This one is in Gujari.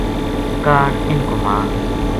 کاہڈ اِنھ کو مال